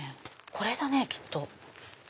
これだねきっと。